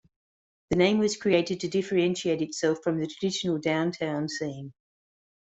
The name was created to differentiate itself from the traditional downtown scene.